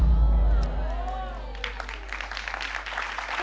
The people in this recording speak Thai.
ฮาวะละพร้อม